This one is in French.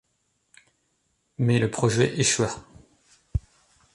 Mais le projet échoua.